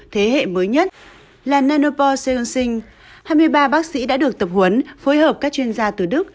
thế hệ mới nhất là nanopor seanol hai mươi ba bác sĩ đã được tập huấn phối hợp các chuyên gia từ đức